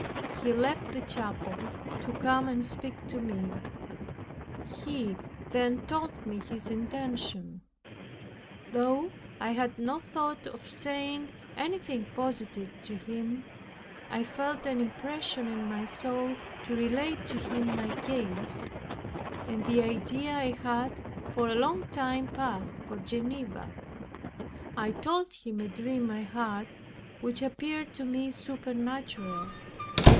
He left the chapel to come and speak to me. He then told me his intention. Though I had no thought of saying anything positive to him, I felt an impression in my soul to relate to him my case, and the idea I had for a long time past for Geneva. I told him a dream I had, which appeared to me supernatural.